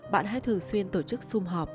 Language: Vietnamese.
bạn hãy thường xuyên tổ chức zoom họp